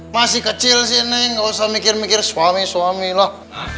masih kecil sini nggak usah mikir mikir suami suami lah